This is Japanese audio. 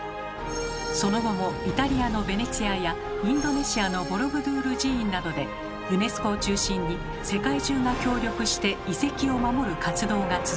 その後もイタリアのベネチアやインドネシアのボロブドゥール寺院などでユネスコを中心に世界中が協力して遺跡を守る活動が続きました。